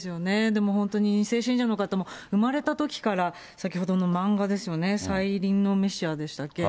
でも本当に２世信者の方も、生まれたときから、先ほどの漫画ですよね、再臨のメシヤでしたっけ。